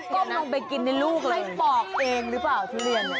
แล้วก็ก้มลงไปกินในลูกให้ปอกเองหรือเปล่าทุเรียน